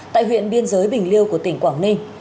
tại huyện biên giới bình liêu của tỉnh quảng ninh